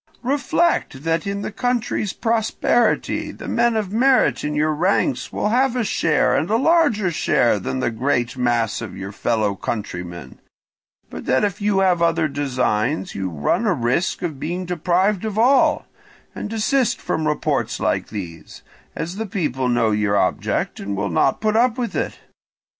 Reflect that in the country's prosperity the men of merit in your ranks will have a share and a larger share than the great mass of your fellow countrymen, but that if you have other designs you run a risk of being deprived of all; and desist from reports like these, as the people know your object and will not put up with it.